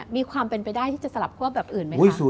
มีความเป็นไปได้ที่จะสลับคั่วแบบอื่นไหมคะ